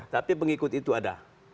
tapi pengikut itu ada